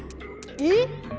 えっ！